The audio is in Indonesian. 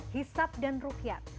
hisab dan rukyat